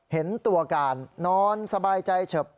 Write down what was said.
เห็นตัวการนอนสบายใจเฉิบ